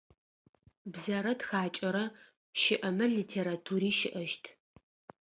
Бзэрэ тхакӏэрэ щыӏэмэ литератури щыӏэщт.